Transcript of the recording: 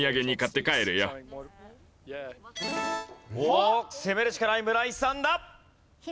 おおっ攻めるしかない村井さんだ。